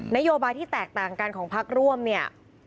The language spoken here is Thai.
นโยบายที่แตกต่างกันของพักร่วมเนี่ย